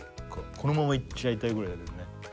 このままいっちゃいたいぐらいだけどね